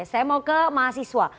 saya mau ke mahasiswa